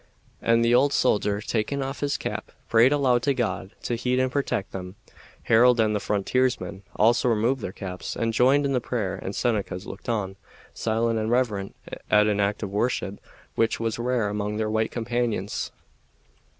And the old soldier, taking off his cap, prayed aloud to God to heed and protect them. Harold and the frontiersmen also removed their caps and joined in the prayer, and the Senecas looked on, silent and reverent, at an act of worship which was rare among their white companions.